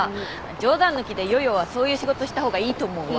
冗談抜きで夜々はそういう仕事した方がいいと思うわ。